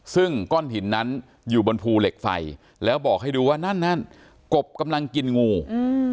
ซึ่งก้อนหินนั้นอยู่บนภูเหล็กไฟแล้วบอกให้ดูว่านั่นนั่นกบกำลังกินงูอืม